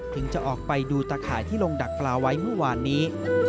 จะออกไปดูตะข่ายที่ลงดักปลาไว้เมื่อวานนี้